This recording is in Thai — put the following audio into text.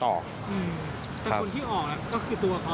แต่คนที่ออกก็คือตัวเขานั่นแหละ